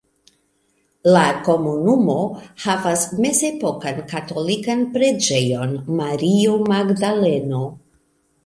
La komunumo havas mezepokan katolikan Preĝejon Mario Magdaleno.